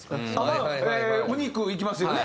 まあお肉いきますよね。